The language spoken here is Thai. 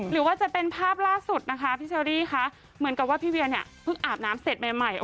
หรือว่าจะเป็นภาพล่าสุดนะคะพี่เชอรี่คะเหมือนกับว่าพี่เวียเนี่ยเพิ่งอาบน้ำเสร็จใหม่ใหม่